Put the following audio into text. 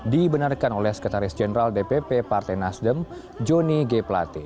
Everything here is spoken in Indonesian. dibenarkan oleh sekretaris jenderal dpp partai nasdem joni g plate